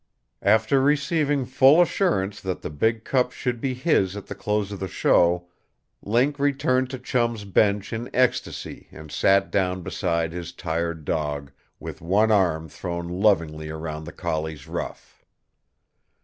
After receiving full assurance that the big cup should be his at the close of the show, Link returned to Chum's bench in ecstasy and sat down beside his tired dog, with one arm thrown lovingly round the collie's ruff.